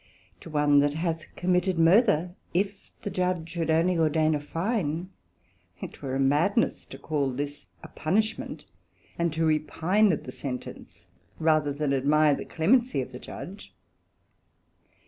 To one that hath committed Murther, if the Judge should only ordain a Fine, it were a madness to call this a punishment, and to repine at the sentence, rather than admire the clemency of the Judge.